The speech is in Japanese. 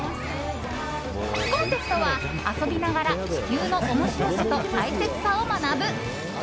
コンセプトは、遊びながら地球の面白さと大切さを学ぶ。